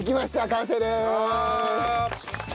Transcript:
完成です！